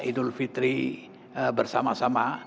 idul fitri bersama sama